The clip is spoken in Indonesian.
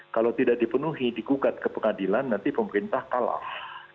kalau tidak dipenuhi digugat ke pengadilan nanti pemerintah kalah